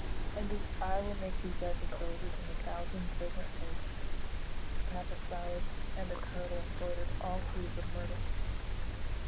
And I will make thee beds of roses And a thousand fragrant posies; 10 A cap of flowers, and a kirtle Embroider'd all with leaves of myrtle.